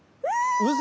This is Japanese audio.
うそ！